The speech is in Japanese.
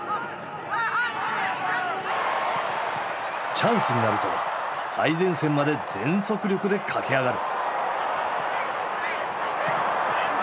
チャンスになると最前線まで全速力で駆け上がる。